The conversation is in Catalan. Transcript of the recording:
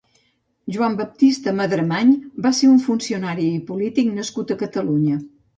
Joan Baptista Madremany va ser un funcionari i polític nascut a Catalunya.